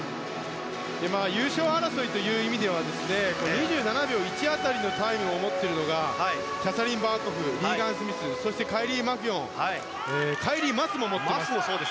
優勝争いという意味では２７秒１辺りのタイムを持っているのがキャサリン・バーコフリーガン・スミスカイリー・マキュオンカイリー・マスも持っています。